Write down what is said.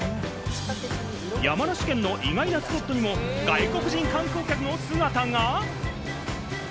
山梨県の意外なスポットにも外国人観光客の姿が。